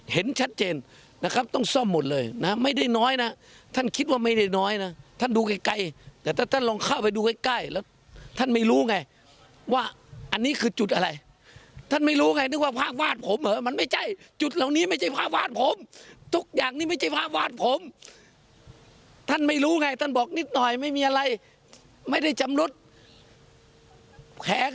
เห็นชัดเจนนะครับต้องซ่อมหมดเลยนะไม่ได้น้อยนะท่านคิดว่าไม่ได้น้อยนะท่านดูไกลแต่ถ้าท่านลองเข้าไปดูใกล้ใกล้แล้วท่านไม่รู้ไงว่าอันนี้คือจุดอะไรท่านไม่รู้ไงนึกว่าภาพวาดผมเหรอมันไม่ใช่จุดเหล่านี้ไม่ใช่ภาพวาดผมทุกอย่างนี่ไม่ใช่ภาพวาดผมท่านไม่รู้ไงท่านบอกนิดหน่อยไม่มีอะไรไม่ได้จำรถแ